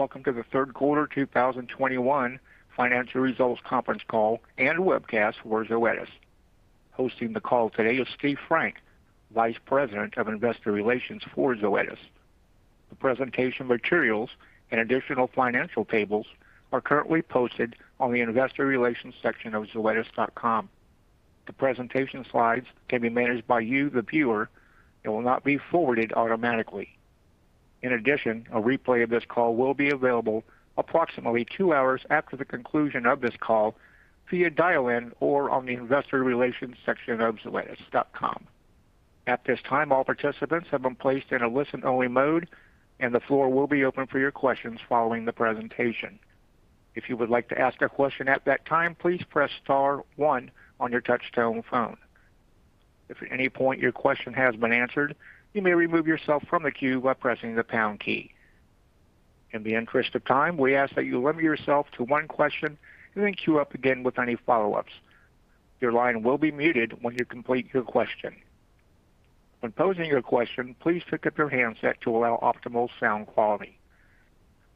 Welcome to the Q3 2021 financial results conference call and webcast for Zoetis. Hosting the call today is Steve Frank, Vice President of Investor Relations for Zoetis. The presentation materials and additional financial tables are currently posted on the investor relations section of zoetis.com. The presentation slides can be managed by you, the viewer, and will not be forwarded automatically. In addition, a replay of this call will be available approximately two hours after the conclusion of this call via dial-in or on the investor relations section of zoetis.com. At this time, all participants have been placed in a listen-only mode, and the floor will be open for your questions following the presentation. If you would like to ask a question at that time, please press star one on your touch-tone phone. If at any point your question has been answered, you may remove yourself from the queue by pressing the pound key. In the interest of time, we ask that you limit yourself to one question and then queue up again with any follow-ups. Your line will be muted when you complete your question. When posing your question, please pick up your handset to allow optimal sound quality.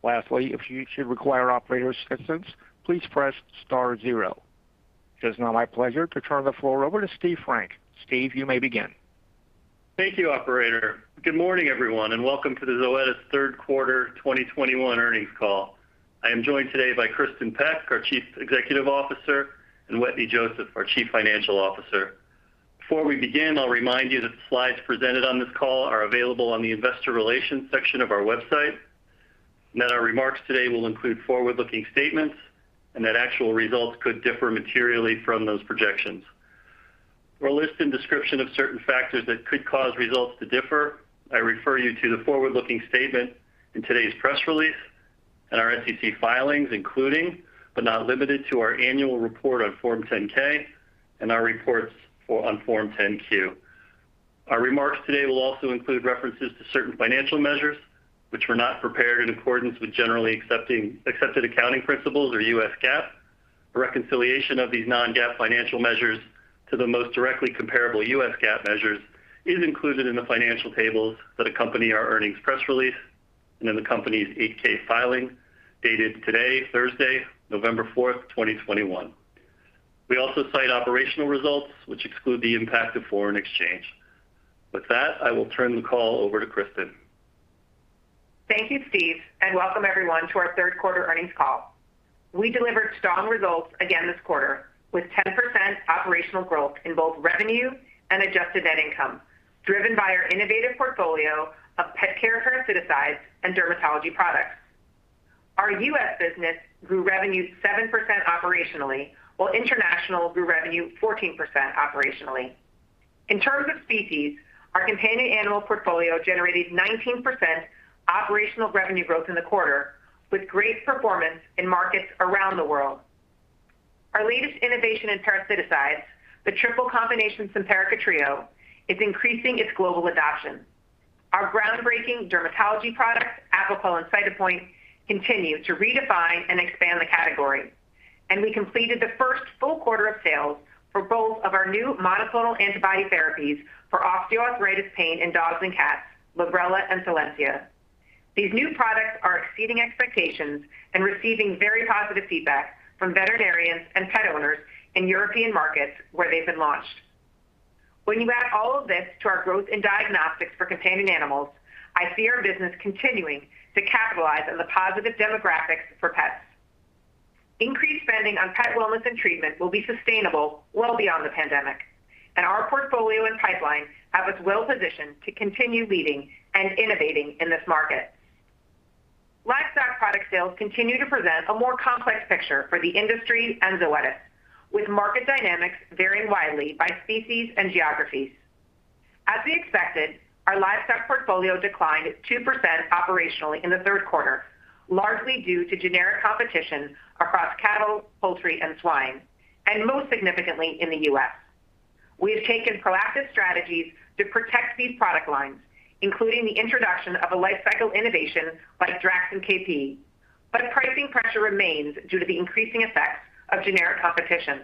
Lastly, if you should require operator assistance, please press star zero. It is now my pleasure to turn the floor over to Steve Frank. Steve, you may begin. Thank you, operator. Good morning, everyone, and welcome to the Zoetis Q3 2021 earnings call. I am joined today by Kristin Peck, our Chief Executive Officer, and Wetteny Joseph, our Chief Financial Officer. Before we begin, I'll remind you that the slides presented on this call are available on the investor relations section of our website, that our remarks today will include forward-looking statements and that actual results could differ materially from those projections. For a list and description of certain factors that could cause results to differ, I refer you to the forward-looking statement in today's press release and our SEC filings, including, but not limited to our annual report on Form 10-K and our reports on Form 10-Q. Our remarks today will also include references to certain financial measures which were not prepared in accordance with generally accepted accounting principles or US GAAP. A reconciliation of these non-GAAP financial measures to the most directly comparable US GAAP measures is included in the financial tables that accompany our earnings press release and in the company's 8-K filing dated today, Thursday, November 4th, 2021. We also cite operational results which exclude the impact of foreign exchange. With that, I will turn the call over to Kristin. Thank you, Steve, and welcome everyone to our Q3 earnings call. We delivered strong results again this quarter with 10% operational growth in both revenue and adjusted net income, driven by our innovative portfolio of pet care parasiticides and dermatology products. Our U.S. business grew revenue 7% operationally, while international grew revenue 14% operationally. In terms of species, our companion animal portfolio generated 19% operational revenue growth in the quarter with great performance in markets around the world. Our latest innovation in parasiticides, the triple combination Simparica Trio, is increasing its global adoption. Our groundbreaking dermatology products, Apoquel and Cytopoint, continue to redefine and expand the category. We completed the first full quarter of sales for both of our new monoclonal antibody therapies for osteoarthritis pain in dogs and cats, Librela and Solensia. These new products are exceeding expectations and receiving very positive feedback from veterinarians and pet owners in European markets where they've been launched. When you add all of this to our growth in diagnostics for companion animals, I see our business continuing to capitalize on the positive demographics for pets. Increased spending on pet wellness and treatment will be sustainable well beyond the pandemic, and our portfolio and pipeline have us well-positioned to continue leading and innovating in this market. Livestock product sales continue to present a more complex picture for the industry and Zoetis, with market dynamics varying widely by species and geographies. As we expected, our livestock portfolio declined 2% operationally in the Q3, largely due to generic competition across cattle, poultry, and swine, and most significantly in the U.S. We have taken proactive strategies to protect these product lines, including the introduction of a lifecycle innovation like Draxxin KP. Pricing pressure remains due to the increasing effects of generic competition.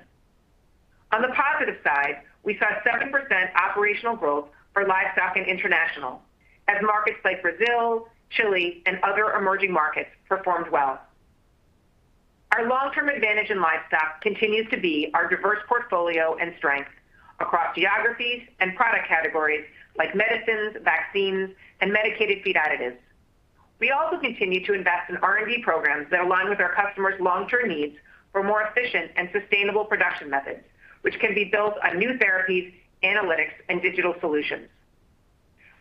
On the positive side, we saw 7% operational growth for livestock and international as markets like Brazil, Chile, and other emerging markets performed well. Our long-term advantage in livestock continues to be our diverse portfolio and strength across geographies and product categories like medicines, vaccines, and medicated feed additives. We also continue to invest in R&D programs that align with our customers' long-term needs for more efficient and sustainable production methods, which can be built on new therapies, analytics, and digital solutions.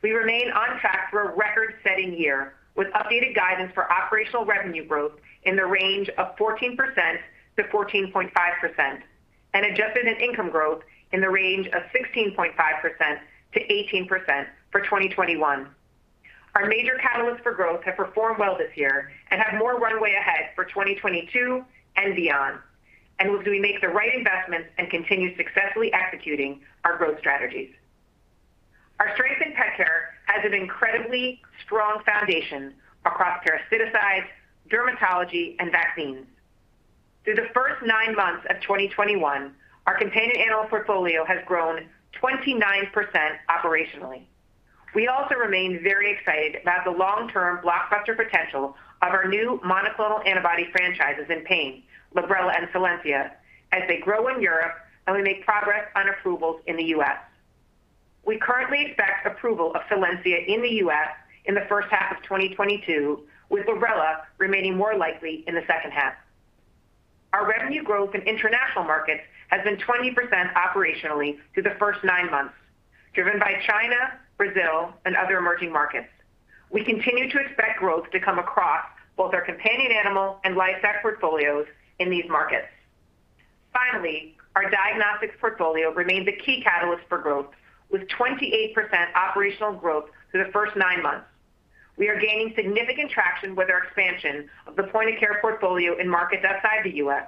We remain on track for a record-setting year with updated guidance for operational revenue growth in the range of 14% to 14.5% and adjusted net income growth in the range of 16.5% to 18% for 2021. Our major catalysts for growth have performed well this year and have more runway ahead for 2022 and beyond. We do make the right investments and continue successfully executing our growth strategies. Our strength in pet care has an incredibly strong foundation across parasiticides, dermatology, and vaccines. Through the first nine months of 2021, our companion animal portfolio has grown 29% operationally. We also remain very excited about the long-term blockbuster potential of our new monoclonal antibody franchises in pain, Librela and Solensia, as they grow in Europe and we make progress on approvals in the U.S. We currently expect approval of Solensia in the U.S. in the H1 of 2022, with Librela remaining more likely in the H2. Our revenue growth in international markets has been 20% operationally through the first nine months, driven by China, Brazil, and other emerging markets. We continue to expect growth to come across both our companion animal and livestock portfolios in these markets. Finally, our diagnostics portfolio remains a key catalyst for growth with 28% operational growth through the first nine months. We are gaining significant traction with our expansion of the point-of-care portfolio in markets outside the U.S.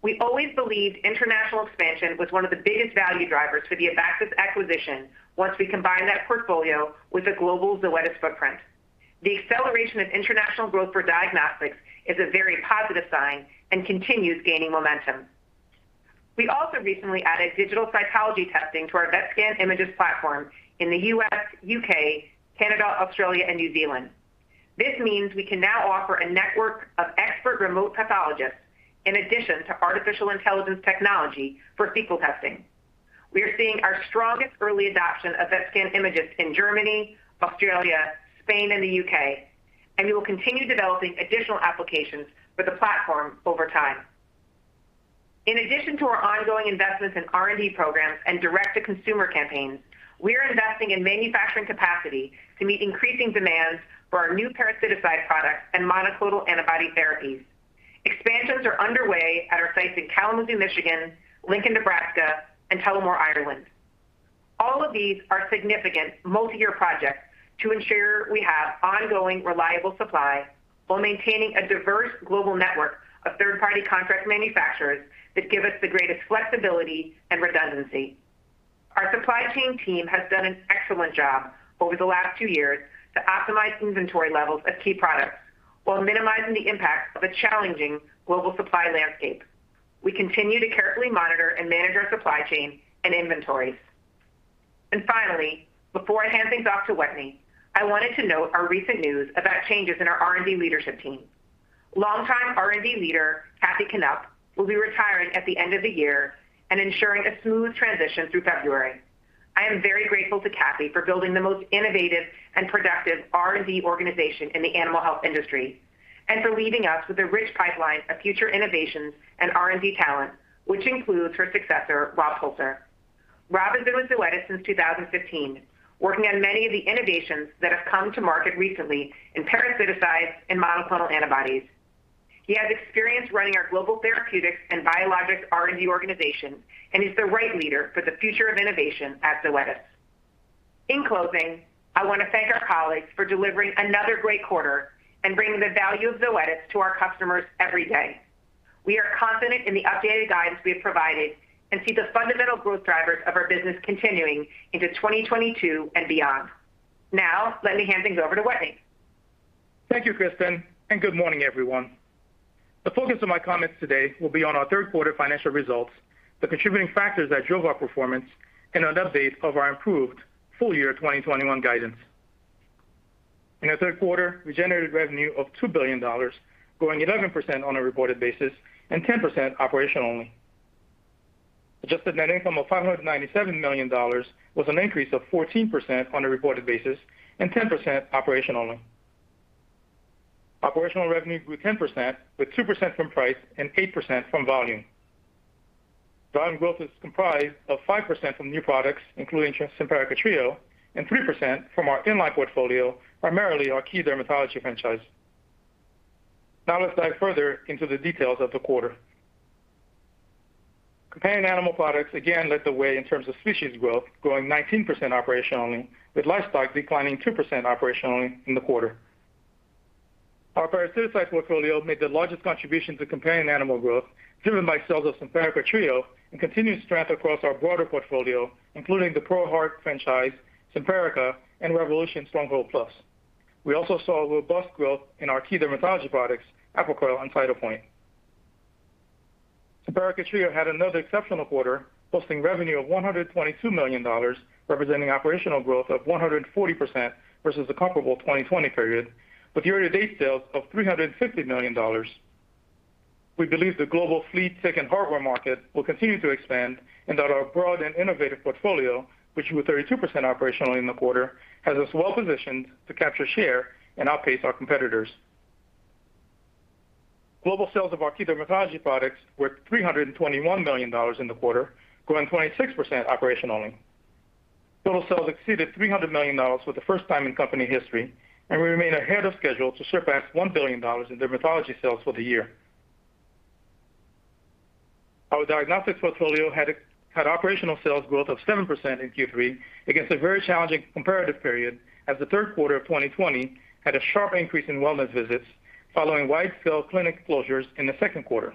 We always believed international expansion was one of the biggest value drivers for the Abaxis acquisition once we combined that portfolio with the global Zoetis footprint. The acceleration of international growth for diagnostics is a very positive sign and continues gaining momentum. We also recently added digital pathology testing to our Vetscan Imagyst platform in the U.S., U.K., Canada, Australia, and New Zealand. This means we can now offer a network of expert remote pathologists in addition to artificial intelligence technology for cytology testing. We are seeing our strongest early adoption of Vetscan Imagyst in Germany, Australia, Spain, and the U.K., and we will continue developing additional applications for the platform over time. In addition to our ongoing investments in R&D programs and direct-to-consumer campaigns, we are investing in manufacturing capacity to meet increasing demands for our new parasiticide products and monoclonal antibody therapies. Expansions are underway at our sites in Kalamazoo, Michigan, Lincoln, Nebraska, and Tullamore, Ireland. All of these are significant multi-year projects to ensure we have ongoing reliable supply while maintaining a diverse global network of third-party contract manufacturers that give us the greatest flexibility and redundancy. Our supply chain team has done an excellent job over the last two years to optimize inventory levels of key products while minimizing the impact of a challenging global supply landscape. We continue to carefully monitor and manage our supply chain and inventories. Finally, before I hand things off to Wetteny Joseph, I wanted to note our recent news about changes in our R&D leadership team. Longtime R&D leader, Cathy Knupp, will be retiring at the end of the year and ensuring a smooth transition through February. I am very grateful to Cathy for building the most innovative and productive R&D organization in the animal health industry, and for leaving us with a rich pipeline of future innovations and R&D talent, which includes her successor, Rob Polzer. Rob has been with Zoetis since 2015, working on many of the innovations that have come to market recently in parasiticides and monoclonal antibodies. He has experience running our global therapeutics and biologics R&D organization and is the right leader for the future of innovation at Zoetis. In closing, I want to thank our colleagues for delivering another great quarter and bringing the value of Zoetis to our customers every day. We are confident in the updated guidance we have provided and see the fundamental growth drivers of our business continuing into 2022 and beyond. Now, let me hand things over to Wetteny. Thank you, Kristin, and good morning, everyone. The focus of my comments today will be on our Q3 financial results, the contributing factors that drove our performance, and an update of our improved full year 2021 guidance. In the Q3, we generated revenue of $2 billion, growing 11% on a reported basis and 10% operationally. Adjusted net income of $597 million was an increase of 14% on a reported basis, and 10% operationally. Operational revenue grew 10%, with 2% from price and 8% from volume. Volume growth is comprised of 5% from new products, including Simparica Trio, and 3% from our in-life portfolio, primarily our key dermatology franchise. Now let's dive further into the details of the quarter. Companion animal products again led the way in terms of species growth, growing 19% operationally, with livestock declining 2% operationally in the quarter. Our parasiticides portfolio made the largest contribution to companion animal growth, driven by sales of Simparica Trio and continued strength across our broader portfolio, including the ProHeart franchise, Simparica, and Revolution Stronghold Plus. We also saw robust growth in our key dermatology products, Apoquel and Cytopoint. Simparica Trio had another exceptional quarter, posting revenue of $122 million, representing operational growth of 140% versus the comparable 2020 period, with year-to-date sales of $350 million. We believe the global flea, tick, and heartworm market will continue to expand and that our broad and innovative portfolio, which grew 32% operationally in the quarter, has us well-positioned to capture share and outpace our competitors. Global sales of our key dermatology products were $321 million in the quarter, growing 26% operationally. Total sales exceeded $300 million for the first time in company history, and we remain ahead of schedule to surpass $1 billion in dermatology sales for the year. Our diagnostics portfolio had operational sales growth of 7% in Q3 against a very challenging comparative period as the Q3 of 2020 had a sharp increase in wellness visits following wide-scale clinic closures in the Q2.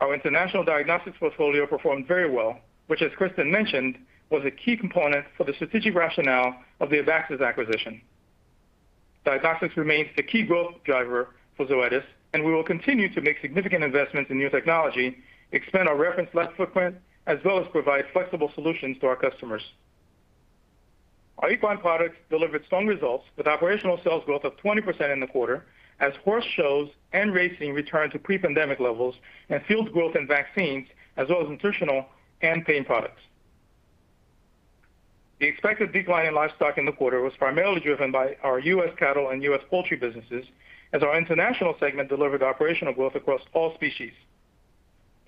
Our international diagnostics portfolio performed very well, which as Kristin mentioned, was a key component for the strategic rationale of the Abaxis acquisition. Diagnostics remains the key growth driver for Zoetis, and we will continue to make significant investments in new technology, expand our reference lab footprint, as well as provide flexible solutions to our customers. Our equine products delivered strong results with operational sales growth of 20% in the quarter as horse shows and racing returned to pre-pandemic levels and fueled growth in vaccines as well as nutritional and pain products. The expected decline in livestock in the quarter was primarily driven by our U.S. cattle and U.S. poultry businesses as our international segment delivered operational growth across all species.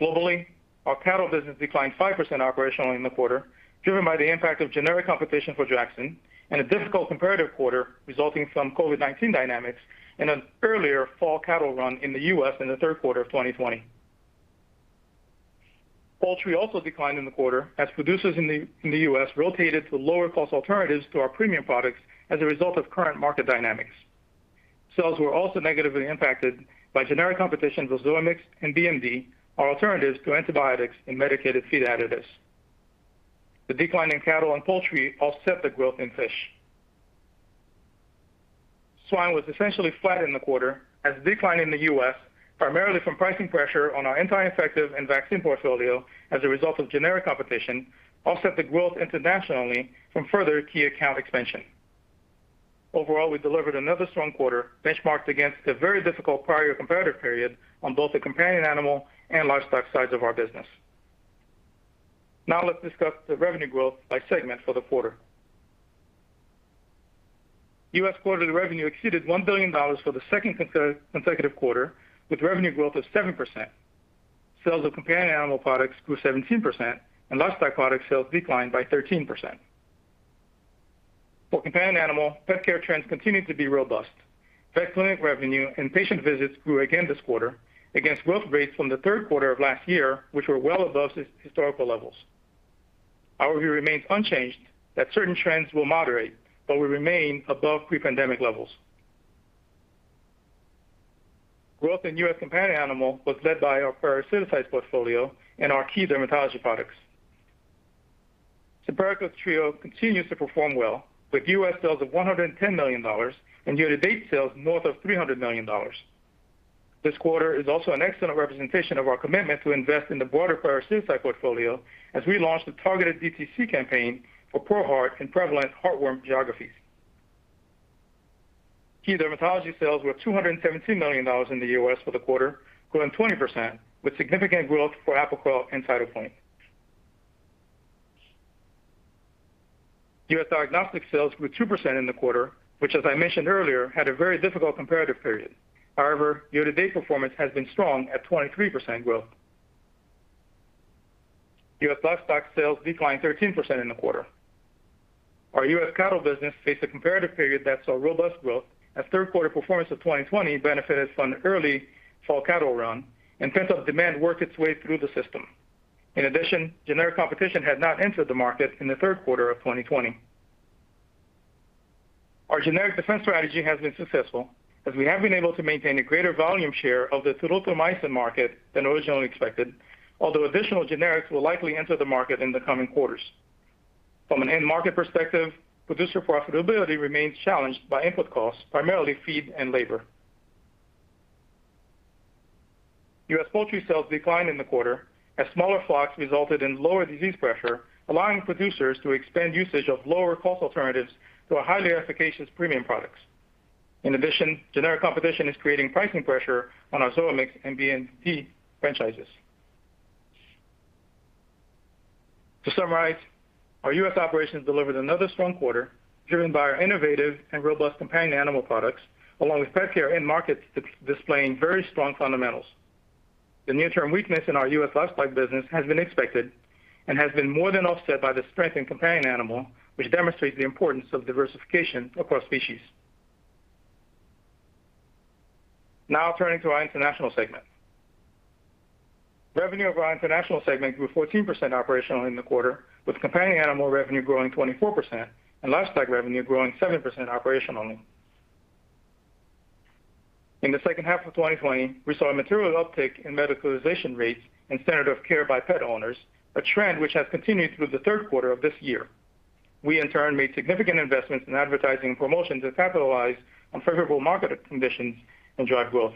Globally, our cattle business declined 5% operationally in the quarter, driven by the impact of generic competition for Draxxin and a difficult comparative quarter resulting from COVID-19 dynamics and an earlier fall cattle run in the U.S. in the Q3 of 2020. Poultry also declined in the quarter as producers in the U.S. rotated to lower-cost alternatives to our premium products as a result of current market dynamics. Sales were also negatively impacted by generic competition with Zoamix and BMD, our alternatives to antibiotics and medicated feed additives. The decline in cattle and poultry offset the growth in fish. Swine was essentially flat in the quarter as decline in the U.S., primarily from pricing pressure on our anti-infective and vaccine portfolio as a result of generic competition, offset the growth internationally from further key account expansion. Overall, we delivered another strong quarter benchmarked against a very difficult prior comparative period on both the Companion Animal and Livestock sides of our business. Now let's discuss the revenue growth by segment for the quarter. U.S. quarterly revenue exceeded $1 billion for the second consecutive quarter, with revenue growth of 7%. Sales of Companion Animal products grew 17%, and Livestock product sales declined by 13%. For Companion Animal, pet care trends continued to be robust. Vet clinic revenue and patient visits grew again this quarter against growth rates from the Q3 of last year, which were well above historical levels. Our view remains unchanged that certain trends will moderate, but will remain above pre-pandemic levels. Growth in U.S. companion animal was led by our parasiticide portfolio and our key dermatology products. Simparica Trio continues to perform well, with U.S. sales of $110 million and year-to-date sales north of $300 million. This quarter is also an excellent representation of our commitment to invest in the broader parasiticide portfolio as we launched a targeted DTC campaign for ProHeart in prevalent heartworm geographies. Key dermatology sales were $217 million in the U.S. for the quarter, growing 20% with significant growth for Apoquel and Cytopoint. U.S. diagnostic sales grew 2% in the quarter, which as I mentioned earlier, had a very difficult comparative period. However, year-to-date performance has been strong at 23% growth. U.S. livestock sales declined 13% in the quarter. Our U.S. cattle business faced a comparative period that saw robust growth as Q3 performance of 2020 benefited from an early fall cattle run and pent-up demand worked its way through the system. In addition, generic competition had not entered the market in the third quarter of 2020. Our generic defense strategy has been successful as we have been able to maintain a greater volume share of the Tilmicosin market than originally expected, although additional generics will likely enter the market in the coming quarters. From an end market perspective, producer profitability remains challenged by input costs, primarily feed and labor. U.S. poultry sales declined in the quarter as smaller flocks resulted in lower disease pressure, allowing producers to expand usage of lower-cost alternatives to our highly efficacious premium products. In addition, generic competition is creating pricing pressure on our Zoamix and BMD franchises. To summarize, our U.S. operations delivered another strong quarter driven by our innovative and robust companion animal products, along with pet care end markets displaying very strong fundamentals. The near-term weakness in our U.S. livestock business has been expected and has been more than offset by the strength in companion animal, which demonstrates the importance of diversification across species. Now turning to our international segment. Revenue of our international segment grew 14% operationally in the quarter, with companion animal revenue growing 24% and livestock revenue growing 7% operationally. In the H2 of 2020, we saw a material uptick in medicalization rates and standard of care by pet owners, a trend which has continued through the Q3 of this year. We in turn made significant investments in advertising and promotion to capitalize on favorable market conditions and drive growth.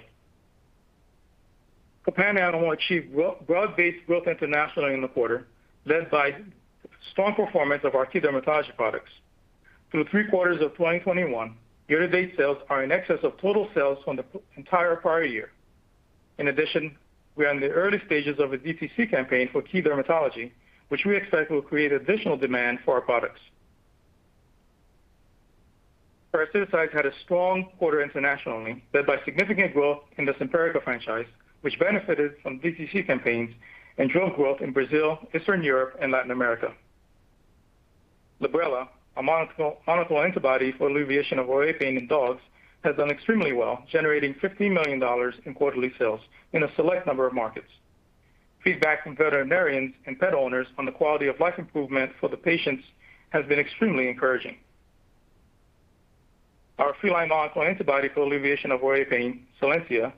Companion Animal achieved broad-based growth internationally in the quarter, led by strong performance of our key dermatology products. Through three quarters of 2021, year-to-date sales are in excess of total sales from the entire prior year. In addition, we are in the early stages of a DTC campaign for key dermatology, which we expect will create additional demand for our products. Parasiticides had a strong quarter internationally, led by significant growth in the Simparica franchise, which benefited from DTC campaigns and drove growth in Brazil, Eastern Europe, and Latin America. Librela, a monoclonal antibody for alleviation of osteoarthritis pain in dogs, has done extremely well, generating $50 million in quarterly sales in a select number of markets. Feedback from veterinarians and pet owners on the quality of life improvement for the patients has been extremely encouraging. Our feline monoclonal antibody for alleviation of osteoarthritis pain, Solensia,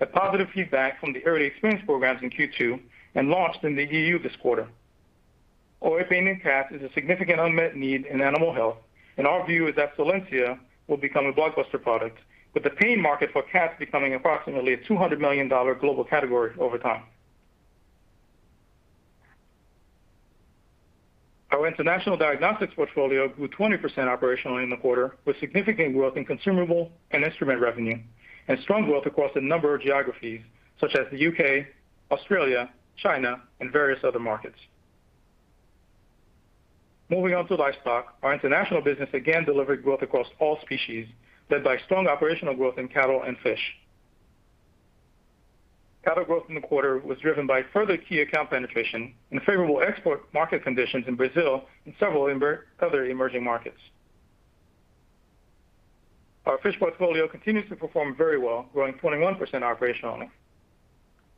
had positive feedback from the early experience programs in Q2 and launched in the E.U. this quarter. Osteoarthritis pain in cats is a significant unmet need in animal health, and our view is that Solensia will become a blockbuster product, with the pain market for cats becoming approximately a $200 million global category over time. Our international diagnostics portfolio grew 20% operationally in the quarter, with significant growth in consumable and instrument revenue and strong growth across a number of geographies such as the U.K., Australia, China, and various other markets. Moving on to livestock, our international business again delivered growth across all species, led by strong operational growth in cattle and fish. Cattle growth in the quarter was driven by further key account penetration and favorable export market conditions in Brazil and several other emerging markets. Our fish portfolio continues to perform very well, growing 21% operationally.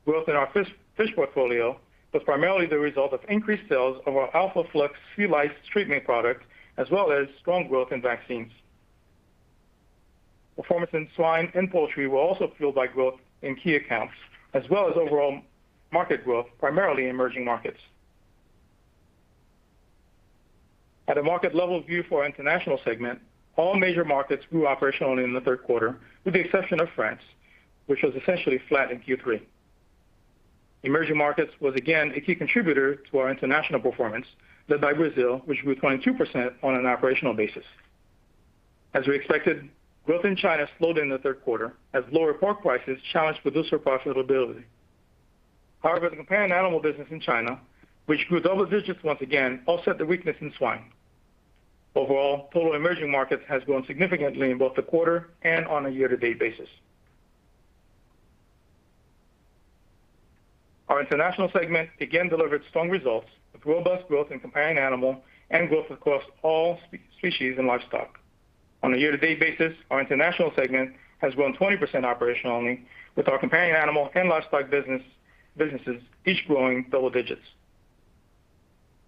Growth in our fish portfolio was primarily the result of increased sales of our Alpha Flux sea lice treatment product, as well as strong growth in vaccines. Performance in swine and poultry were also fueled by growth in key accounts, as well as overall market growth, primarily in emerging markets. At a market-level view for our international segment, all major markets grew operationally in the Q3, with the exception of France, which was essentially flat in Q3. Emerging markets was again a key contributor to our international performance, led by Brazil, which grew 22% on an operational basis. As we expected, growth in China slowed in the Q3 as lower pork prices challenged producer profitability. However, the companion animal business in China, which grew double digits once again, offset the weakness in swine. Overall, total emerging markets has grown significantly in both the quarter and on a year-to-date basis. Our international segment again delivered strong results with robust growth in companion animal and growth across all species in livestock. On a year-to-date basis, our international segment has grown 20% operationally, with our companion animal and livestock businesses each growing double digits.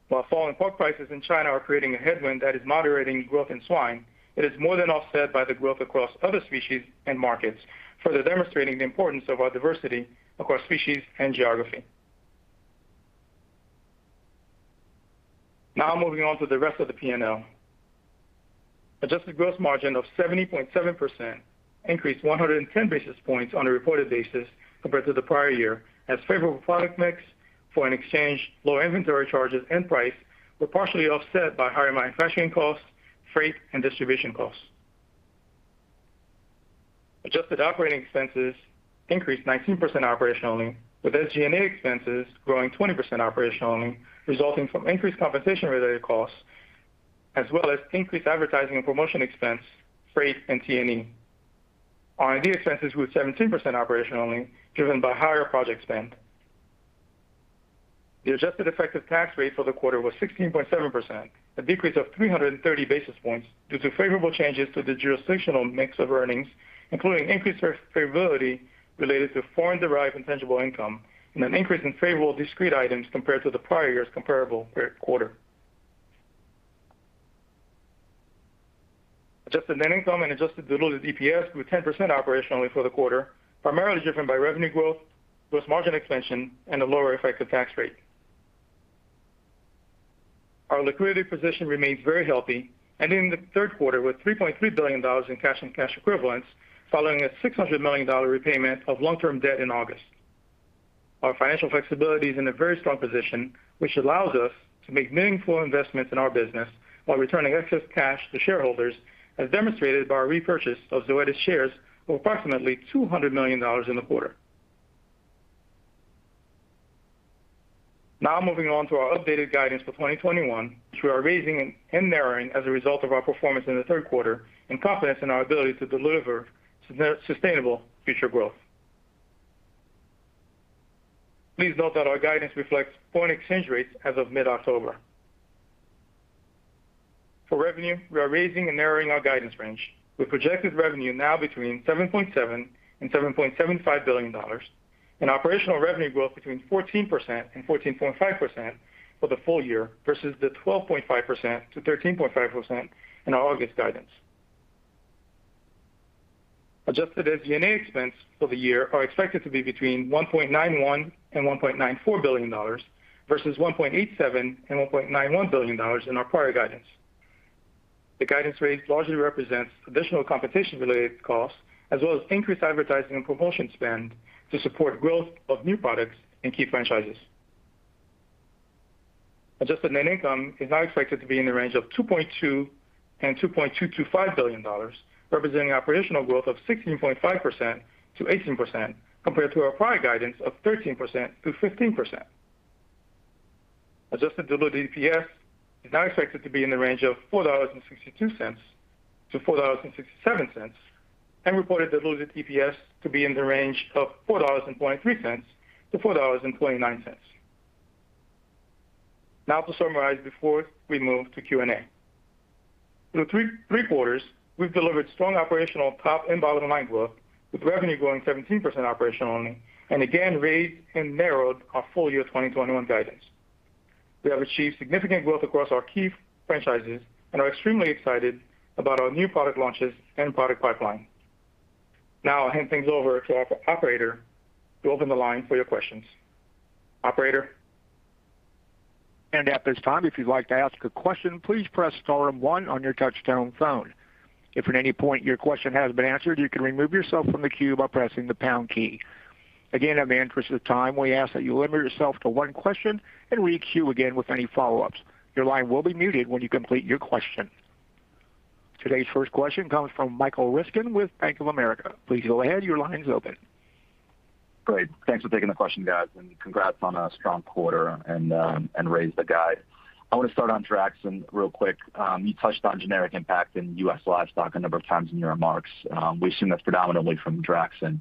While falling pork prices in China are creating a headwind that is moderating growth in swine, it is more than offset by the growth across other species and markets, further demonstrating the importance of our diversity across species and geography. Now moving on to the rest of the P&L. Adjusted gross margin of 70.7% increased 110 basis points on a reported basis compared to the prior year, as favorable product mix, foreign exchange, lower inventory charges, and price were partially offset by higher manufacturing costs, freight, and distribution costs. Adjusted operating expenses increased 19% operationally, with SG&A expenses growing 20% operationally, resulting from increased compensation-related costs as well as increased advertising and promotion expense, freight, and T&E. Our R&D expenses grew 17% operationally, driven by higher project spend. The adjusted effective tax rate for the quarter was 16.7%, a decrease of 330 basis points due to favorable changes to the jurisdictional mix of earnings, including increased tax favorability related to foreign-derived intangible income and an increase in favorable discrete items compared to the prior year's comparable quarter. Adjusted net income and adjusted diluted EPS grew 10% operationally for the quarter, primarily driven by revenue growth, gross margin expansion, and a lower effective tax rate. Our liquidity position remains very healthy, ending the Q3 with $3.3 billion in cash and cash equivalents following a $600 million repayment of long-term debt in August. Our financial flexibility is in a very strong position, which allows us to make meaningful investments in our business while returning excess cash to shareholders, as demonstrated by our repurchase of Zoetis shares of approximately $200 million in the quarter. Now moving on to our updated guidance for 2021, which we are raising and narrowing as a result of our performance in the Q3 and confidence in our ability to deliver sustainable future growth. Please note that our guidance reflects foreign exchange rates as of mid-October. For revenue, we are raising and narrowing our guidance range. We projected revenue now between $7.7 billion and $7.75 billion, and operational revenue growth between 14%-14.5% for the full year versus the 12.5%-13.5% in our August guidance. Adjusted SG&A expense for the year are expected to be between $1.91 billion-$1.94 billion versus $1.87 billion-$1.91 billion in our prior guidance. The guidance raise largely represents additional compensation-related costs as well as increased advertising and promotion spend to support growth of new products and key franchises. Adjusted net income is now expected to be in the range of $2.2 billion-$2.225 billion, representing operational growth of 16.5%-18% compared to our prior guidance of 13%-15%. Adjusted diluted EPS is now expected to be in the range of $4.62-$4.67, and reported diluted EPS to be in the range of $4.03-$4.09. Now to summarize before we move to Q&A. Through three quarters, we've delivered strong operational top and bottom-line growth, with revenue growing 17% operationally, and again raised and narrowed our full-year 2021 guidance. We have achieved significant growth across our key franchises and are extremely excited about our new product launches and product pipeline. Now I'll hand things over to our operator to open the line for your questions. Operator? At this time, if you'd like to ask a question, please press star and one on your touchtone phone. If at any point your question has been answered, you can remove yourself from the queue by pressing the pound key. Again, in the interest of time, we ask that you limit yourself to one question and re-queue again with any follow-ups. Your line will be muted when you complete your question. Today's first question comes from Michael Ryskin with Bank of America. Please go ahead. Your line is open. Great. Thanks for taking the question, guys, and congrats on a strong quarter and raise the guide. I want to start on Draxxin real quick. You touched on generic impact in U.S. livestock a number of times in your remarks. We assume that's predominantly from Draxxin.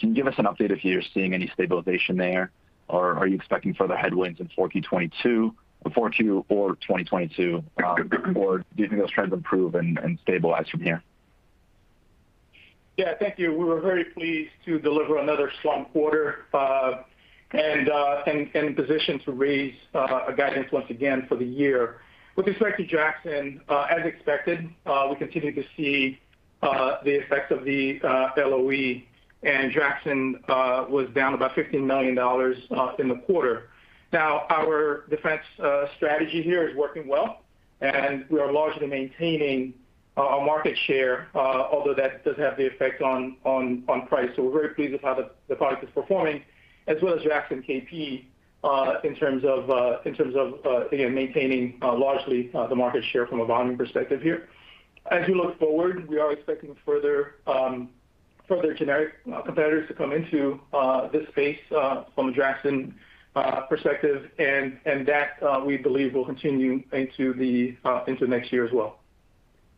Can you give us an update if you're seeing any stabilization there? Or are you expecting further headwinds in Q4 or 2022, or do you think those trends improve and stabilize from here? Yeah. Thank you. We were very pleased to deliver another strong quarter and position to raise a guidance once again for the year. With respect to Draxxin, as expected, we continue to see the effect of the LOE and Draxxin was down about $15 million in the quarter. Now, our defense strategy here is working well and we are largely maintaining our market share, although that does have the effect on price. We're very pleased with how the product is performing, as well as Draxxin KP, in terms of again maintaining largely the market share from a volume perspective here. As we look forward, we are expecting further generic competitors to come into this space, from a Draxxin perspective, and that we believe will continue into next year as well.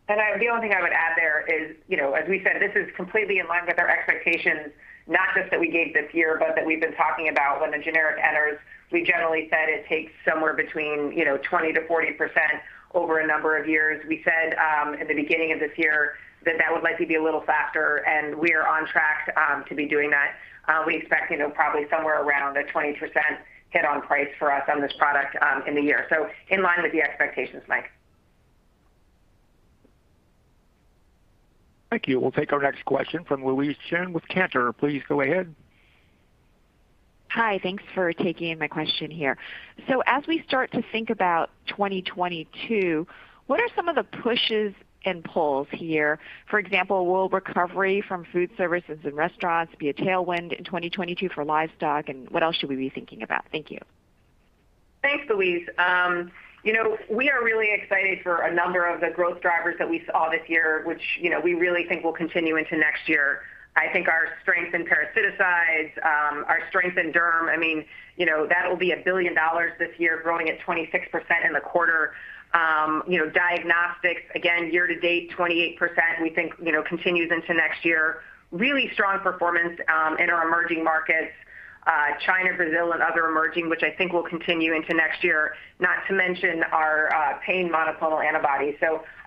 The only thing I would add there is, you know, as we said, this is completely in line with our expectations, not just that we gave this year, but that we've been talking about when the generic enters. We generally said it takes somewhere between, you know, 20%-40% over a number of years. We said, at the beginning of this year that that would likely be a little faster, and we are on track, to be doing that. We expect, you know, probably somewhere around a 20% hit on price for us on this product, in the year. In line with the expectations, Mike. Thank you. We'll take our next question from Louise Chen with Cantor. Please go ahead. Hi. Thanks for taking my question here. As we start to think about 2022, what are some of the pushes and pulls here? For example, will recovery from food services and restaurants be a tailwind in 2022 for livestock? And what else should we be thinking about? Thank you. Thanks, Louise. You know, we are really excited for a number of the growth drivers that we saw this year, which, you know, we really think will continue into next year. I think our strength in parasiticides, our strength in derm, I mean, you know, that'll be $1 billion this year growing at 26% in the quarter. You know, diagnostics again year to date, 28% we think, you know, continues into next year. Really strong performance, in our emerging markets, China, Brazil and other emerging, which I think will continue into next year, not to mention our pain monoclonal antibody.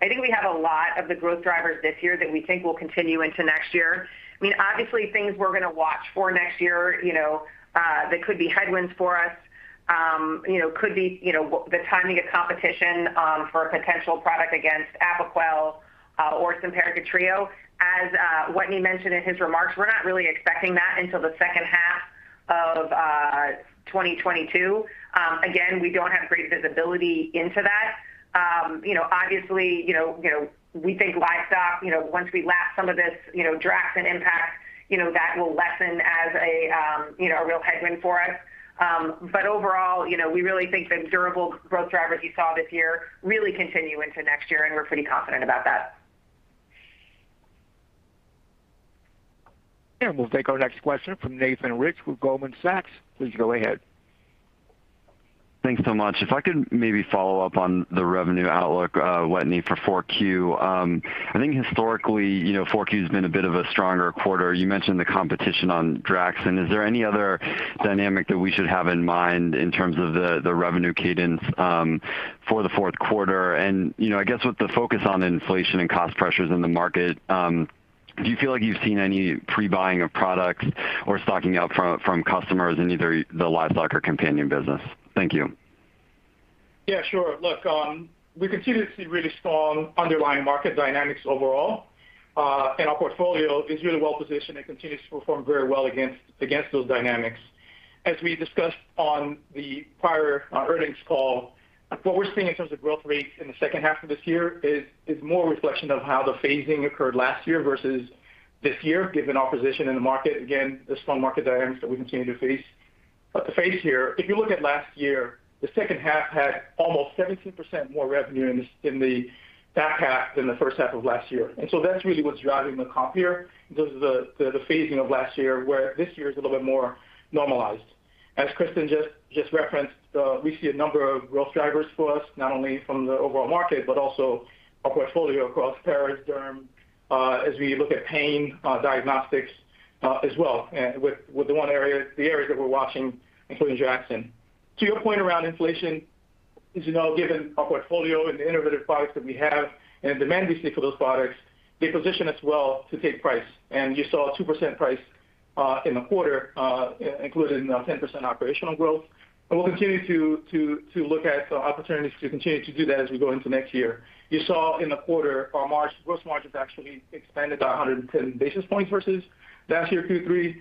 I think we have a lot of the growth drivers this year that we think will continue into next year. I mean, obviously things we're gonna watch for next year, you know, that could be headwinds for us, you know, could be, you know, the timing of competition, for a potential product against Apoquel, or Simparica Trio. As Wetteny mentioned in his remarks, we're not really expecting that until the H2 of 2022. Again, we don't have great visibility into that. You know, obviously, you know, you know, we think livestock, you know, once we lap some of this, you know, Draxxin impact, you know, that will lessen as a, you know, a real headwind for us. Overall, you know, we really think the durable growth drivers you saw this year really continue into next year, and we're pretty confident about that. We'll take our next question from Nathan Rich with Goldman Sachs. Please go ahead. Thanks so much. If I could maybe follow up on the revenue outlook, Wetteny, for Q4. I think historically, you know, Q4's been a bit of a stronger quarter. You mentioned the competition on Draxxin. Is there any other dynamic that we should have in mind in terms of the revenue cadence for the Q4? I guess with the focus on inflation and cost pressures in the market, do you feel like you've seen any pre-buying of products or stocking up from customers in either the livestock or companion business? Thank you. Yeah, sure. Look, we continue to see really strong underlying market dynamics overall, and our portfolio is really well positioned and continues to perform very well against those dynamics. As we discussed on the prior earnings call, what we're seeing in terms of growth rates in the H2 of this year is more a reflection of how the phasing occurred last year versus this year, given our position in the market, again, the strong market dynamics that we continue to face to face here. If you look at last year, the H2 had almost 17% more revenue in the back half than the H1 of last year. That's really what's driving the comp here, because of the phasing of last year, where this year is a little bit more normalized. As Kristin just referenced, we see a number of growth drivers for us, not only from the overall market, but also our portfolio across paras, derm, as we look at pain, diagnostics, as well. With the areas that we're watching, including Draxxin. To your point around inflation, as you know, given our portfolio and the innovative products that we have and the demand we see for those products, they position us well to take price. You saw 2% price in the quarter, including 10% operational growth. We'll continue to look at the opportunities to continue to do that as we go into next year. You saw in the quarter, our gross margins actually expanded by 110 basis points versus last year Q3.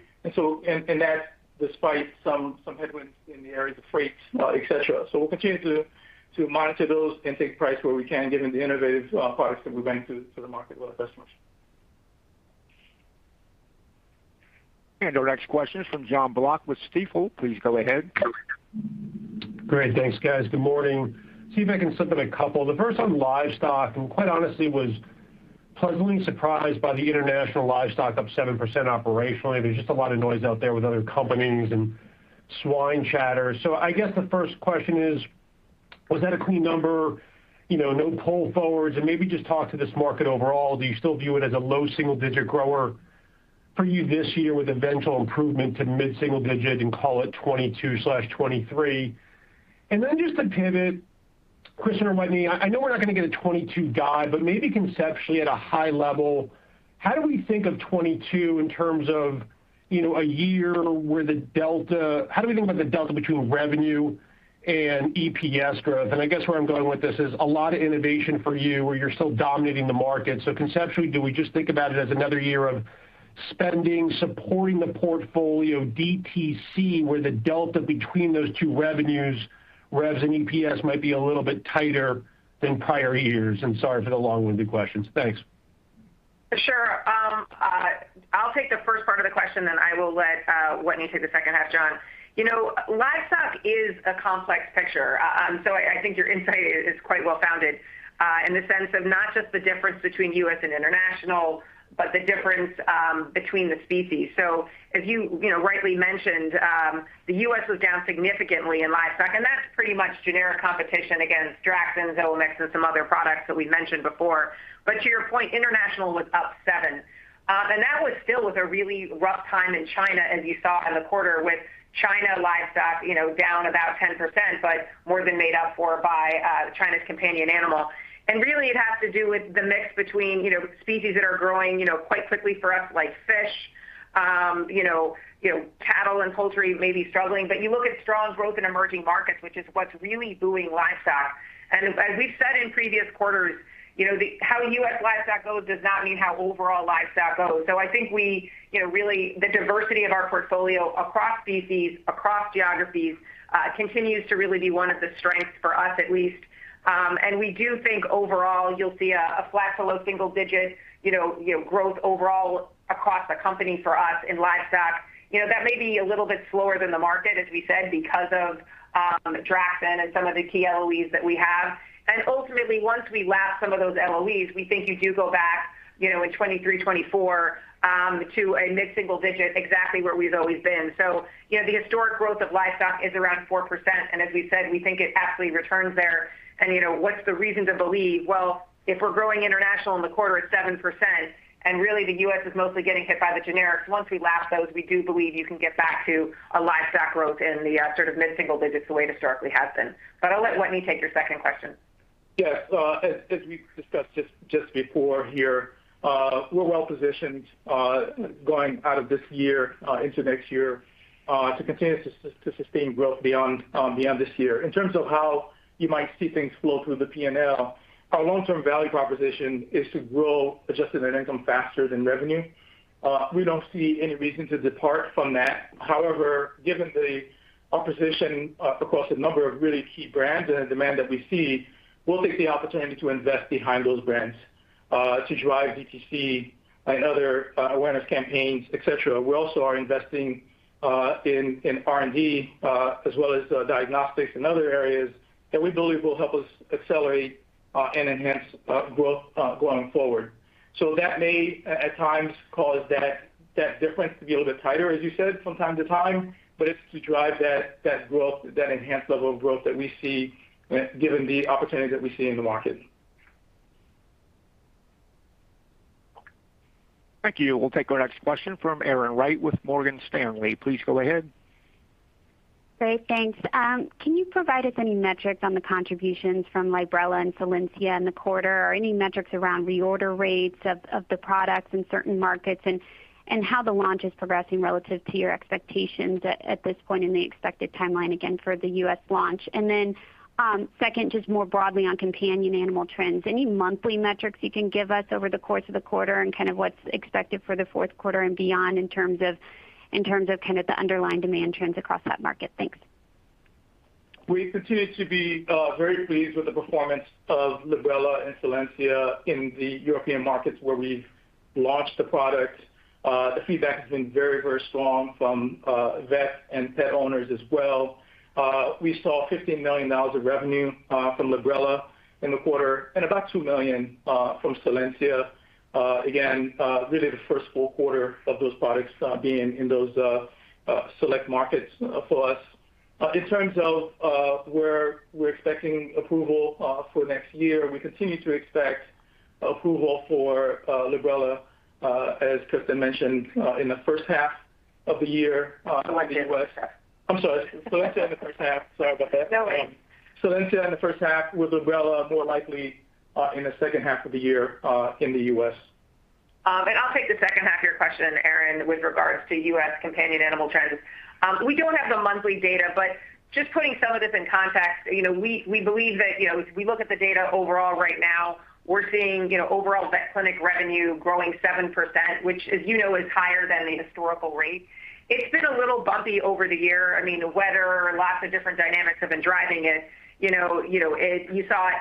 That despite some headwinds in the areas of freight, et cetera. We'll continue to monitor those and take price where we can, given the innovative products that we bring to the market with our customers. Our next question is from Jon Block with Stifel. Please go ahead. Great. Thanks, guys. Good morning. See if I can slip in a couple. The first on livestock, and quite honestly I was pleasantly surprised by the international livestock up 7% operationally. There's just a lot of noise out there with other companies and swine chatter. I guess the first question is, was that a clean number, you know, no pull forwards? Maybe just talk to this market overall. Do you still view it as a low single digit grower for you this year with eventual improvement to mid-single digit and call it 2022/2023? Then just to pivot, Chris or Wetteny, I know we're not gonna get a 2022 guide, but maybe conceptually at a high level, how do we think of 2022 in terms of, you know, a year where the delta, how do we think about the delta between revenue and EPS growth? I guess where I'm going with this is a lot of innovation for you, where you're still dominating the market. Conceptually, do we just think about it as another year of spending, supporting the portfolio DTC, where the delta between those two revenues, revs and EPS, might be a little bit tighter than prior years? Sorry for the long-winded questions. Thanks. Sure. I'll take the first part of the question, then I will let Whitney take the H2, Jon. You know, livestock is a complex picture. I think your insight is quite well-founded in the sense of not just the difference between U.S. and international, but the difference between the species. As you know, rightly mentioned, the U.S. was down significantly in livestock, and that's pretty much generic competition against Draxxin, Zilmax and some other products that we've mentioned before. To your point, international was up 7%. That was still with a really rough time in China, as you saw in the quarter, with China livestock, you know, down about 10%, but more than made up for by China's companion animal. Really, it has to do with the mix between, you know, species that are growing, you know, quite quickly for us, like fish. You know, cattle and poultry may be struggling, but you look at strong growth in emerging markets, which is what's really booming livestock. As we've said in previous quarters, you know, how U.S. livestock goes does not mean how overall livestock goes. I think we, you know, really the diversity of our portfolio across species, across geographies, continues to really be one of the strengths for us at least. We do think overall you'll see a flat to low single-digit, you know, growth overall across the company for us in livestock. You know, that may be a little bit slower than the market, as we said, because of Draxxin and some of the key LOEs that we have. Ultimately, once we lap some of those LOEs, we think you do go back, you know, in 2023, 2024, to a mid-single digit, exactly where we've always been. You know, the historic growth of livestock is around 4%. As we said, we think it actually returns there. You know, what's the reason to believe? Well, if we're growing international in the quarter at 7%, and really the U.S. is mostly getting hit by the generics, once we lap those, we do believe you can get back to a livestock growth in the sort of mid-single digits the way it historically has been. I'll let Whitney take your second question. Yes. As we discussed just before here, we're well positioned going out of this year into next year to continue to sustain growth beyond this year. In terms of how you might see things flow through the P&L, our long-term value proposition is to grow adjusted net income faster than revenue. We don't see any reason to depart from that. However, given the competition across a number of really key brands and the demand that we see, we'll take the opportunity to invest behind those brands to drive DTC and other awareness campaigns, et cetera. We also are investing in R&D as well as diagnostics and other areas that we believe will help us accelerate and enhance growth going forward. that may at times cause that difference to be a little bit tighter, as you said from time to time, but it's to drive that growth, that enhanced level of growth that we see given the opportunity that we see in the market. Thank you. We'll take our next question from Erin Wright with Morgan Stanley. Please go ahead. Great, thanks. Can you provide us any metrics on the contributions from Librela and Solensia in the quarter, or any metrics around reorder rates of the products in certain markets and how the launch is progressing relative to your expectations at this point in the expected timeline again for the U.S. launch? Second, just more broadly on companion animal trends. Any monthly metrics you can give us over the course of the quarter and kind of what's expected for the Q4 and beyond in terms of kind of the underlying demand trends across that market? Thanks. We continue to be very pleased with the performance of Librela and Solensia in the European markets where we've launched the product. The feedback has been very, very strong from vet and pet owners as well. We saw $15 million of revenue from Librela in the quarter and about $2 million from Solensia. Again, really the first full quarter of those products being in those select markets for us. In terms of where we're expecting approval for next year, we continue to expect approval for Librela, as Kristin mentioned, in the H1 of the year. Solensia in the H1. I'm sorry. Solensia in the H1. Sorry about that. No worries. Entry in the H1 with Librela more likely in the H2 of the year in the U.S. I'll take the H2 of your question, Erin, with regards to U.S. companion animal trends. We don't have the monthly data, but just putting some of this in context, we believe that if we look at the data overall right now, we're seeing overall vet clinic revenue growing 7%, which as you know, is higher than the historical rate. It's been a little bumpy over the year. I mean, the weather, lots of different dynamics have been driving it. You saw 8%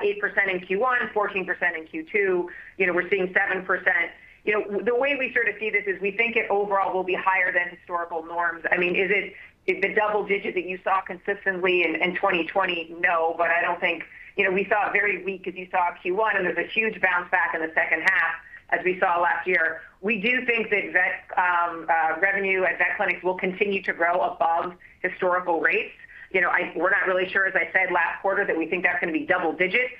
in Q1, 14% in Q2. We're seeing 7%. You know, the way we sort of see this is we think it overall will be higher than historical norms. I mean, is it the double digit that you saw consistently in 2020? No. I don't think. You know, we saw it very weak as you saw Q1, and there's a huge bounce back in the H2 as we saw last year. We do think that vet revenue at vet clinics will continue to grow above historical rates. You know, we're not really sure, as I said last quarter, that we think that's gonna be double digits.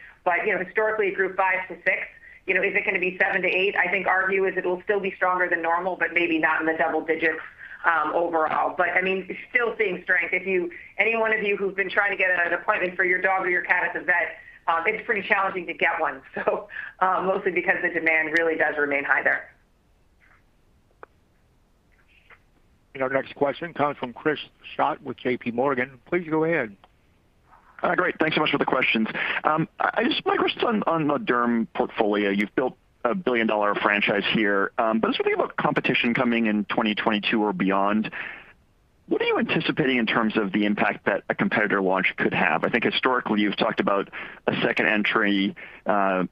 You know, historically it grew five to six, you know, is it gonna be seven to eight? I think our view is it'll still be stronger than normal, but maybe not in the double digits, overall. I mean, still seeing strength. If any one of you who's been trying to get an appointment for your dog or your cat at the vet, it's pretty challenging to get one. Mostly because the demand really does remain high there. Our next question comes from Chris Schott with JPMorgan. Please go ahead. Great. Thanks so much for the questions. I My question on the derm portfolio. You've built a billion-dollar franchise here, but as we think about competition coming in 2022 or beyond, what are you anticipating in terms of the impact that a competitor launch could have? I think historically you've talked about a second entry,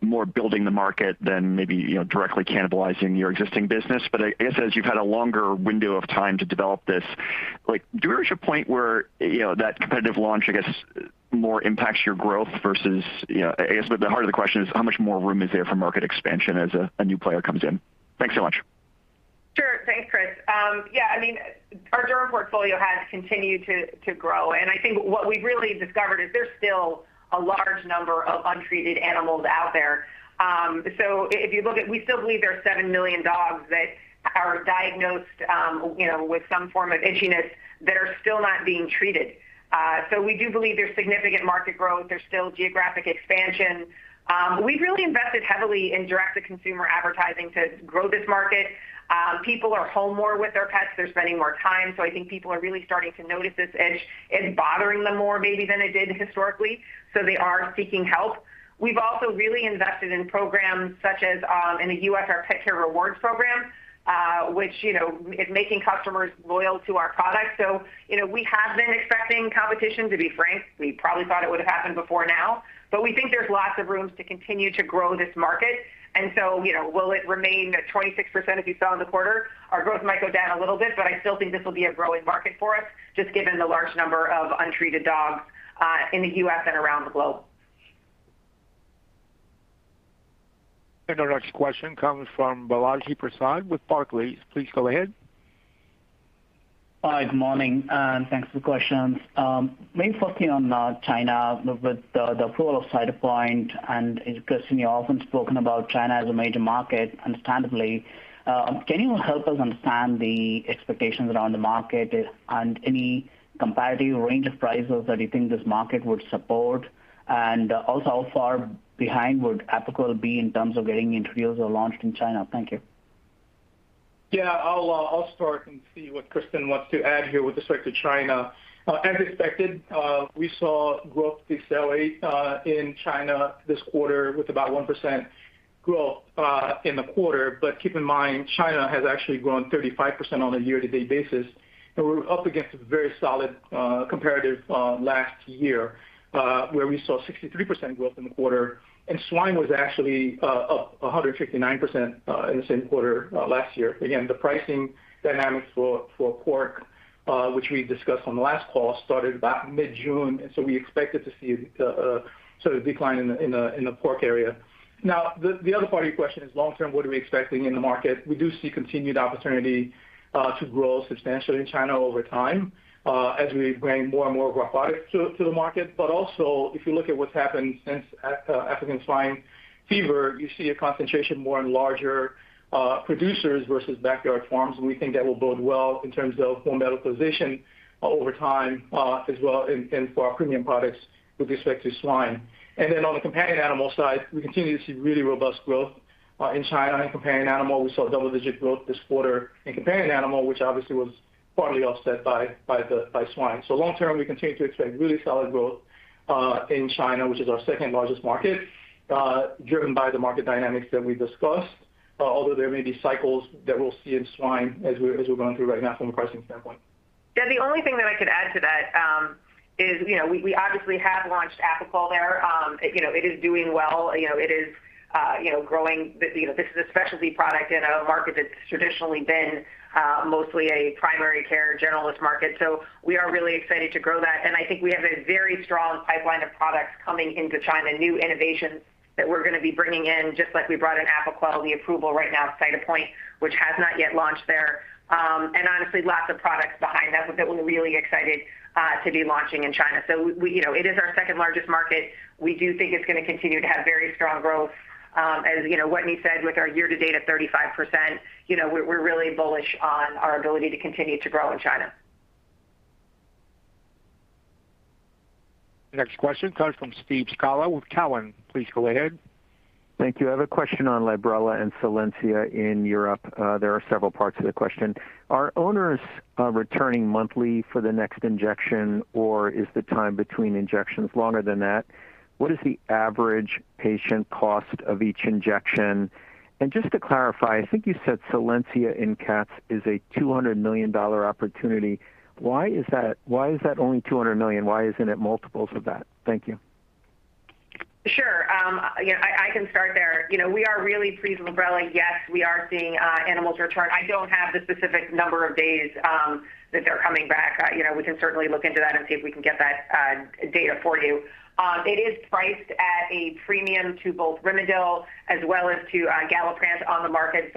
more building the market than maybe, you know, directly cannibalizing your existing business. I guess as you've had a longer window of time to develop this, like do you reach a point where, you know, that competitive launch, I guess, more impacts your growth versus, you know. I guess the heart of the question is how much more room is there for market expansion as a new player comes in? Thanks so much. Sure. Thanks, Chris. Yeah, I mean, our derm portfolio has continued to grow and I think what we've really discovered is there's still a large number of untreated animals out there. If you look at, we still believe there are seven million dogs that are diagnosed, you know, with some form of itchiness that are still not being treated. We do believe there's significant market growth. There's still geographic expansion. We've really invested heavily in direct-to-consumer advertising to grow this market. People are home more with their pets. They're spending more time, so I think people are really starting to notice this itch. It's bothering them more maybe than it did historically, so they are seeking help. We've also really invested in programs such as in the U.S., our Petcare Rewards program, which, you know, is making customers loyal to our products. You know, we have been expecting competition, to be frank. We probably thought it would've happened before now, but we think there's lots of rooms to continue to grow this market. You know, will it remain at 26% as you saw in the quarter? Our growth might go down a little bit, but I still think this will be a growing market for us, just given the large number of untreated dogs in the U.S. and around the globe. Our next question comes from Balaji Prasad with Barclays. Please go ahead. Hi, good morning, and thanks for the questions. Maybe focusing on China with the approval of Cytopoint and Kristin, you often spoken about China as a major market, understandably. Can you help us understand the expectations around the market and any comparative range of prices that you think this market would support? And also how far behind would Apoquel be in terms of getting introduced or launched in China? Thank you. Yeah, I'll start and see what Kristin wants to add here with respect to China. As expected, we saw growth decelerate in China this quarter with about 1% growth in the quarter but keep in mind, China has actually grown 35% on a year-to-date basis, and we're up against a very solid comparative last year, where we saw 63% growth in the quarter, and swine was actually up 159% in the same quarter last year. Again, the pricing dynamics for pork, which we discussed on the last call, started about mid-June, and so we expected to see sort of decline in the pork area. Now the other part of your question is long term, what are we expecting in the market? We do see continued opportunity to grow substantially in China over time, as we bring more and more of our products to the market. Also, if you look at what's happened since African swine fever, you see a concentration more in larger producers versus backyard farms, and we think that will bode well in terms of formidable position over time, as well and for our premium products with respect to swine. On the companion animal side, we continue to see really robust growth in China. In companion animal, we saw double-digit growth this quarter in companion animal, which obviously was partly offset by the swine. Long term, we continue to expect really solid growth in China, which is our second largest market, driven by the market dynamics that we discussed, although there may be cycles that we'll see in swine as we're going through right now from a pricing standpoint. Yeah, the only thing that I could add to that is, you know, we obviously have launched Apoquel there. You know, it is doing well. You know, it is, you know, growing. You know, this is a specialty product in a market that's traditionally been mostly a primary care generalist market. So we are really excited to grow that, and I think we have a very strong pipeline of products coming into China, new innovations that we're gonna be bringing in, just like we brought in Apoquel, the approval right now of Cytopoint, which has not yet launched there. Honestly, lots of products behind that that we're really excited to be launching in China so we, you know, it is our second largest market. We do think it's gonna continue to have very strong growth. As you know, Wetteny said, with our year-to-date of 35%, you know, we're really bullish on our ability to continue to grow in China. Next question comes from Steve Scala with Cowen. Please go ahead. Thank you. I have a question on Librela and Solensia in Europe. There are several parts of the question. Are owners returning monthly for the next injection, or is the time between injections longer than that? What is the average patient cost of each injection? Just to clarify, I think you said Solensia in cats is a $200 million opportunity. Why is that, why is that only $200 million? Why isn't it multiples of that? Thank you. Sure. Yeah, I can start there. You know, we are really pleased with Librela. Yes, we are seeing animals return. I don't have the specific number of days that they're coming back. You know, we can certainly look into that and see if we can get that data for you. It is priced at a premium to both Rimadyl as well as to Galliprant on the market.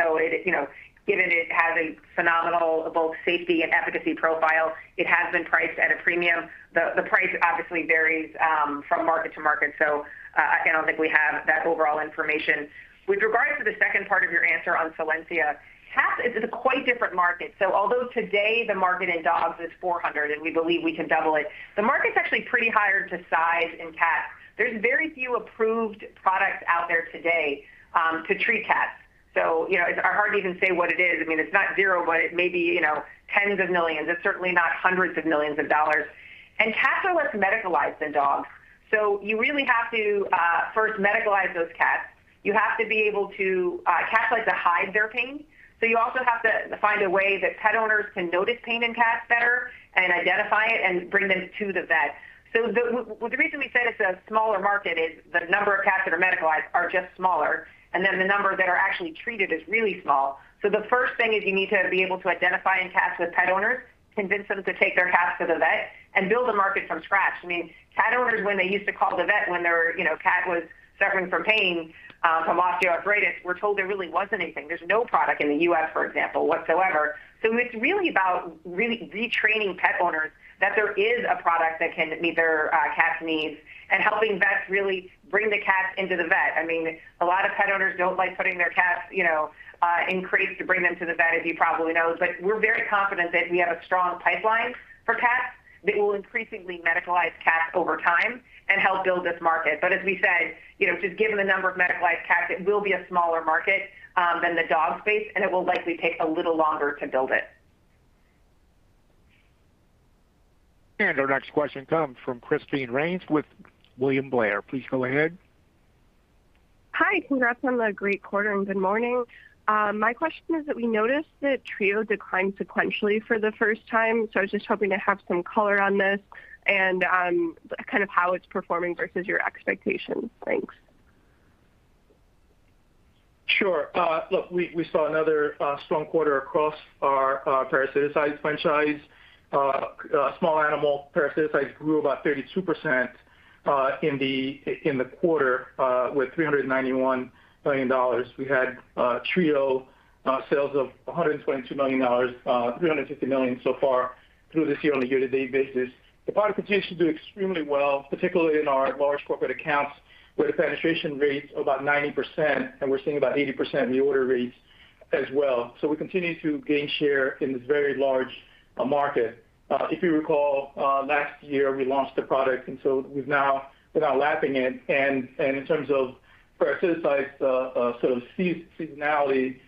You know, given it has a phenomenal both safety and efficacy profile, it has been priced at a premium. The price obviously varies from market to market. I don't think we have that overall information. With regards to the second part of your answer on Solensia, cats is a quite different market. Although today the market in dogs is $400 and we believe we can double it, the market's actually pretty hard to size in cats. There's very few approved products out there today to treat cats. You know, it's hard to even say what it is. I mean, it's not zero, but it may be, you know, tens of millions. It's certainly not hundreds of millions of dollars. Cats are less medicalized than dogs so you really have to first medicalize those cats. You have to be able to. Cats like to hide their pain, so you also have to find a way that pet owners can notice pain in cats better and identify it and bring them to the vet. The reason we said it's a smaller market is the number of cats that are medicalized are just smaller, and then the number that are actually treated is really small. The first thing is you need to be able to identify it in cats with pet owners, convince them to take their cats to the vet and build a market from scratch. I mean, cat owners, when they used to call the vet when their, you know, cat was suffering from pain from osteoarthritis, were told there really wasn't anything. There's no product in the U.S., for example, whatsoever. It's really about retraining pet owners that there is a product that can meet their cat's needs and helping vets really bring the cats into the vet. I mean, a lot of pet owners don't like putting their cats, you know, in crates to bring them to the vet, as you probably know. We're very confident that we have a strong pipeline for cats that will increasingly medicalize cats over time and help build this market. As we said, you know, just given the number of medicalized cats, it will be a smaller market than the dog space, and it will likely take a little longer to build it. Our next question comes from Christine Rains with William Blair. Please go ahead. Hi. Congrats on the great quarter and good morning. My question is that we noticed that Trio declined sequentially for the first time, so I was just hoping to have some color on this and, kind of how it's performing versus your expectations. Thanks. Sure. Look, we saw another strong quarter across our parasiticides franchise. Small animal parasiticides grew about 32% in the quarter with $391 million. We had Trio sales of $122 million, $350 million so far through this year on a year-to-date basis. The product continues to do extremely well, particularly in our large corporate accounts, where the penetration rates are about 90% and we're seeing about 80% reorder rates as well. We continue to gain share in this very large market. If you recall, last year we launched the product, and we're now lapping it. In terms of parasiticides, seasonality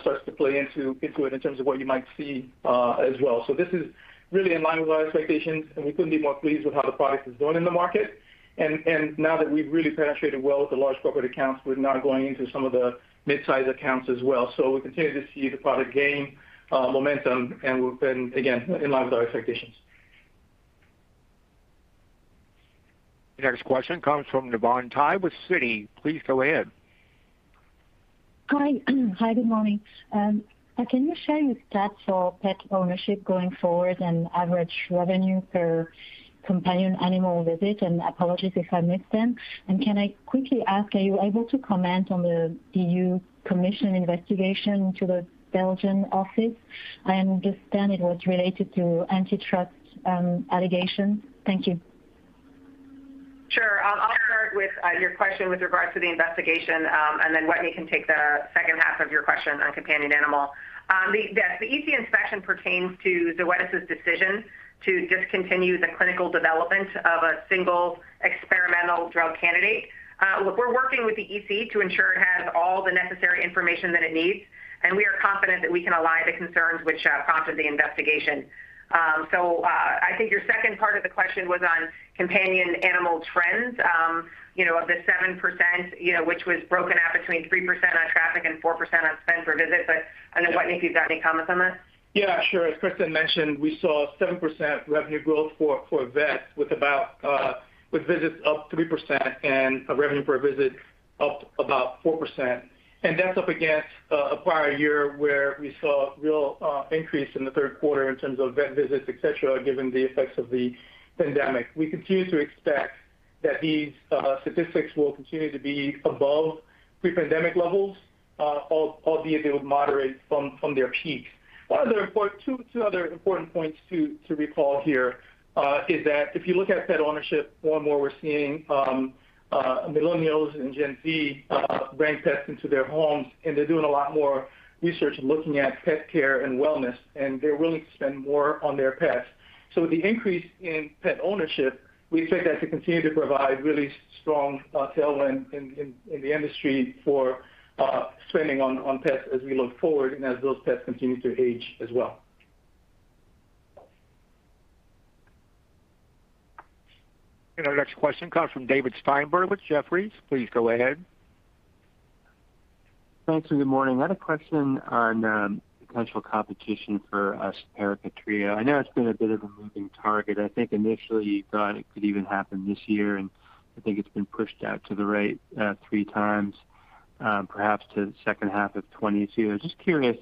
starts to play into it in terms of what you might see as well. This is really in line with our expectations, and we couldn't be more pleased with how the product is doing in the market. Now that we've really penetrated well with the large corporate accounts, we're now going into some of the mid-size accounts as well. We continue to see the product gain momentum and we've been again in line with our expectations. The next question comes from Navann Ty with Citi. Please go ahead. Hi. Hi, good morning. Can you share your stats for pet ownership going forward and average revenue per companion animal visit, and apologies if I missed them. Can I quickly ask, are you able to comment on the European Commission investigation to the Belgian office? I understand it was related to antitrust allegations. Thank you. Sure. I'll start with your question with regards to the investigation, and then Wetteny can take the H2 of your question on companion animal. Yes, the EC inspection pertains to Zoetis' decision to discontinue the clinical development of a single experimental drug candidate. Look, we're working with the EC to ensure it has all the necessary information that it needs, and we are confident that we can align the concerns which prompted the investigation. I think your second part of the question was on companion animal trends. You know, of the 7%, you know, which was broken out between 3% on traffic and 4% on spend per visit. I don't know, Wetteny, if you've got any comments on that. Yeah, sure. As Kristin mentioned, we saw 7% revenue growth for vets with visits up 3% and a revenue per visit up about 4%. That's up against a prior year where we saw real increase in the third quarter in terms of vet visits, et cetera, given the effects of the pandemic. We continue to expect that these statistics will continue to be above pre-pandemic levels. Albeit it would moderate from their peak. Two other important points to recall here is that if you look at pet ownership, more and more we're seeing millennials and Gen Z bring pets into their homes, and they're doing a lot more research and looking at pet care and wellness, and they're willing to spend more on their pets. With the increase in pet ownership, we expect that to continue to provide really strong tailwind in the industry for spending on pets as we look forward and as those pets continue to age as well. Our next question comes from David Steinberg with Jefferies. Please go ahead. Thanks, good morning. I had a question on potential competition for Simparica Trio. I know it's been a bit of a moving target. I think initially you thought it could even happen this year, and I think it's been pushed out to the right, three times, perhaps to the H2 of 2022. Just curious.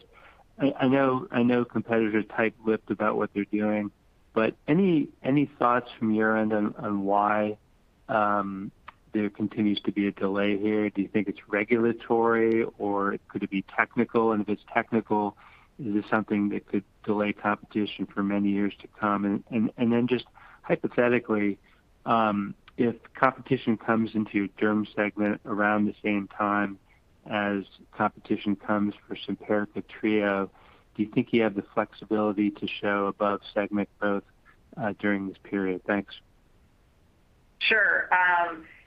I know competitors are tight-lipped about what they're doing, but any thoughts from your end on why there continues to be a delay here? Do you think it's regulatory or could it be technical and if it's technical, is it something that could delay competition for many years to come? Just hypothetically, if competition comes into your derm segment around the same time as competition comes for Simparica Trio, do you think you have the flexibility to show above segment growth during this period? Thanks. Sure.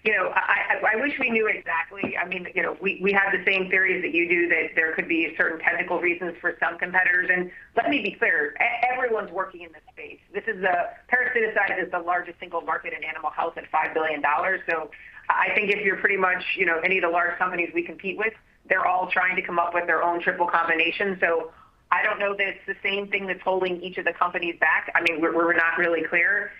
You know, I wish we knew exactly. I mean, you know, we have the same theories that you do that there could be certain technical reasons for some competitors. Let me be clear, everyone's working in this space. Parasiticides is the largest single market in animal health at $5 billion. I think if you're pretty much, you know, any of the large companies we compete with, they're all trying to come up with their own triple combination. I don't know that it's the same thing that's holding each of the companies back. I mean, we're not really clear.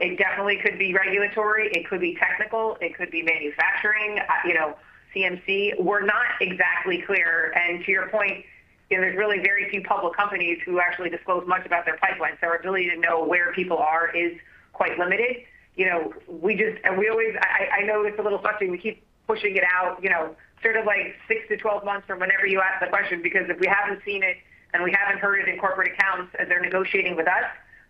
It definitely could be regulatory, it could be technical, it could be manufacturing, you know, CMC. We're not exactly clear. To your point, you know, there's really very few public companies who actually disclose much about their pipeline. Our ability to know where people are is quite limited. You know, I know it's a little frustrating. We keep pushing it out, you know, sort of like six to 12 months from whenever you ask the question, because if we haven't seen it and we haven't heard it in corporate accounts as they're negotiating with us,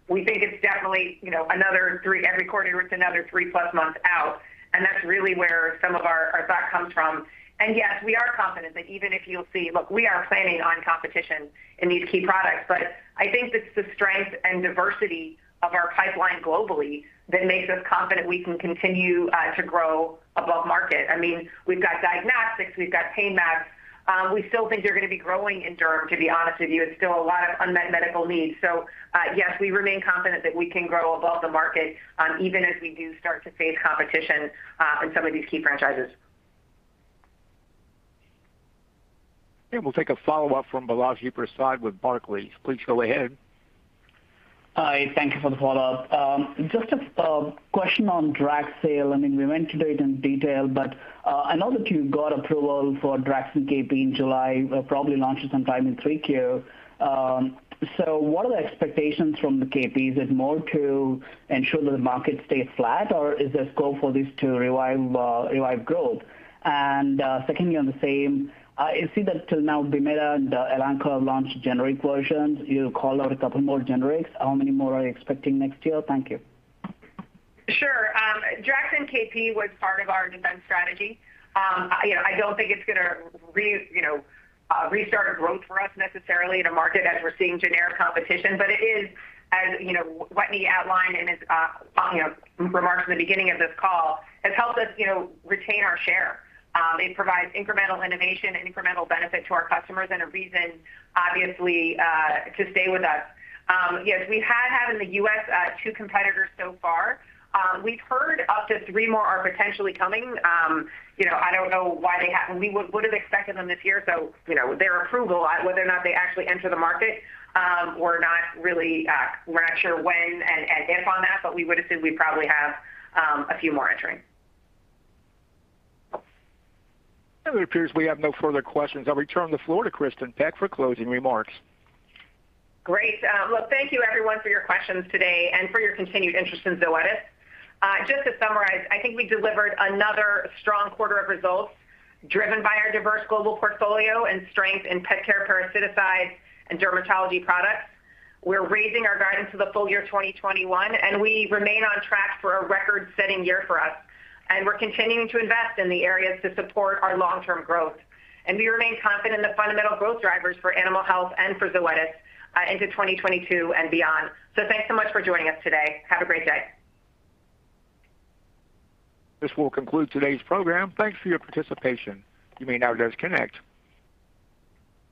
we think it's definitely, you know, every quarter it's another 3+ months out. That's really where some of our thought comes from. Yes, we are confident that even if you'll see. Look, we are planning on competition in these key products. I think it's the strength and diversity of our pipeline globally that makes us confident we can continue to grow above market. I mean, we've got diagnostics, we've got pain mAbs. We still think you're gonna be growing in derm, to be honest with you. Yes, we remain confident that we can grow above the market, even as we do start to face competition in some of these key franchises. We'll take a follow-up from Balaji Prasad with Barclays. Please go ahead. Hi. Thank you for the follow-up. Just a question on Draxxin sales. I mean, we went through it in detail, but I know that you got approval for Draxxin KP in July, probably launching sometime in Q3. So what are the expectations from the KP? Is it more to ensure that the market stays flat, or is this goal for this to revive growth? Secondly on the same, I see that till now Bimeda and Elanco launched generic versions. You called out a couple more generics. How many more are you expecting next year? Thank you. Sure. Draxxin KP was part of our defense strategy. You know, I don't think it's gonna restart growth for us necessarily in a market as we're seeing generic competition. It is, as you know, Wetteny outlined in his, you know, remarks in the beginning of this call, has helped us, you know, retain our share. Yes, we have had in the U.S., two competitors so far. We've heard up to three more are potentially coming. You know, I don't know why We would have expected them this year. You know, their approval, whether or not they actually enter the market, we're not sure when and if on that, but we would assume we probably have a few more entering. It appears we have no further questions. I'll return the floor to Kristin Peck for closing remarks. Great. Look, thank you everyone for your questions today and for your continued interest in Zoetis. Just to summarize, I think we delivered another strong quarter of results driven by our diverse global portfolio and strength in pet care parasiticides and dermatology products. We're raising our guidance for the full year 2021, and we remain on track for a record-setting year for us. We're continuing to invest in the areas to support our long-term growth. We remain confident in the fundamental growth drivers for animal health and for Zoetis into 2022 and beyond. Thanks so much for joining us today. Have a great day. This will conclude today's program. Thanks for your participation. You may now disconnect.